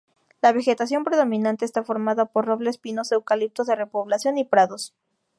La vegetación predominante está formada por robles, pinos, eucaliptos de repoblación y prados.